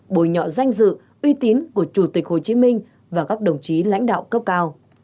bồi nhọ danh dự uy tín của chủ tịch hồ chí minh và các đồng chí lãnh đạo cấp cao